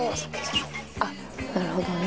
「あっなるほどね。